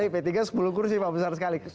p tiga sepuluh kursi pak besar sekali